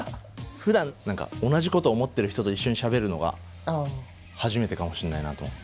ふだん同じことを思ってる人と一緒にしゃべるのが初めてかもしんないなと思って。